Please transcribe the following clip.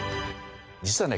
実はね